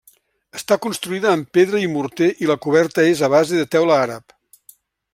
Està construïda amb pedra i morter i la coberta és a base de teula àrab.